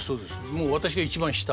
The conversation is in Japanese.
もう私が一番下。